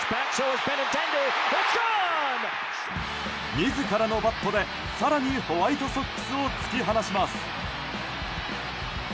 自らのバットで更にホワイトソックスを突き放します。